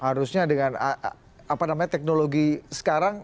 harusnya dengan apa namanya teknologi sekarang